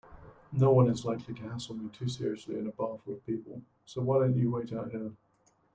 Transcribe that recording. Noone is likely to hassle me too seriously in a bar full of people, so why don't you wait out here?